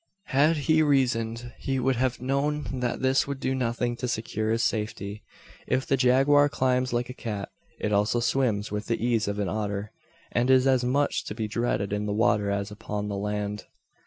Had he reasoned, he would have known that this would do nothing to secure his safety. If the jaguar climbs like a cat, it also swims with the ease of an otter; and is as much to be dreaded in the water as upon the land.